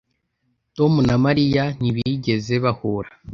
Tom na Mariya ntibigeze bahura